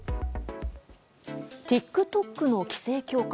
ＴｉｋＴｏｋの規制強化。